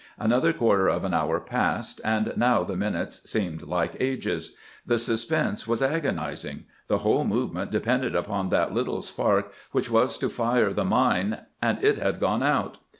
Another quarter of an hour passed, and now the minutes seemed like ages ; the suspense was agonizing ; the whole movement depended upon that little spark which was to fire the mine, and it had gone out.